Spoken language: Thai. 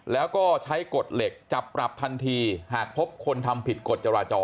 แล้วก็ใช้กฎเหล็กจับปรับทันทีหากพบคนทำผิดกฎจราจร